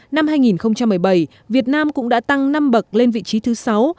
năm hai nghìn một mươi bảy việt nam cũng đã tăng năm bậc lên vị trí thứ sáu